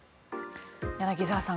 柳澤さん